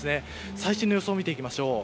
最新の予想を見ていきましょう。